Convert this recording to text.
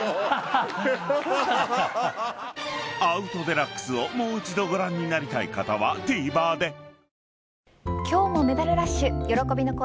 ［『アウト×デラックス』をもう一度ご覧になりたい方はＴＶｅｒで］